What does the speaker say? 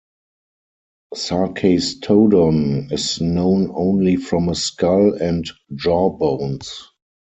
"Sarkastodon" is known only from a skull and jawbones.